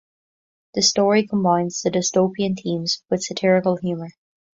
The story combines the dystopian themes with satirical humour.